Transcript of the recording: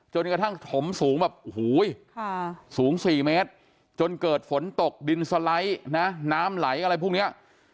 จนกระทั่งถมสูงแบบโอ้โหสูง๔เมตรจนเกิดฝนตกดินสไลด์นะน้ำไหลอะไรพวกนี้